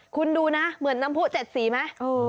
คุณดูนะเหมือนน้ำผู้๗สีไหม